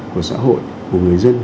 của xã hội của người dân